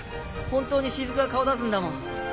本当に雫が顔を出すんだもん。